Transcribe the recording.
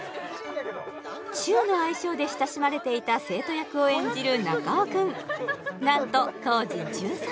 チューの愛称で親しまれていた生徒役を演じる中尾くん何と当時１３歳